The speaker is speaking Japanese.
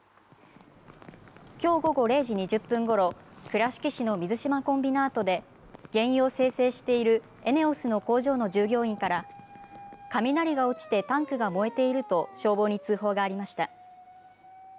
きょう午後０時２０分ごろ、倉敷市の水島コンビナートで、原油を精製しているＥＮＥＯＳの工場の従業員から、雷が落ちてタンクが燃えていると消防に通報がありました。